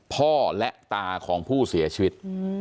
พ่อและตาของผู้เสียชีวิต